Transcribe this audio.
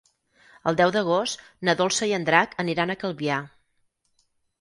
El deu d'agost na Dolça i en Drac aniran a Calvià.